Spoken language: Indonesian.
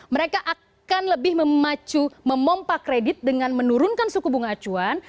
mereka akan lebih memacu memompak kredit dengan menurunkan suku bunga acuan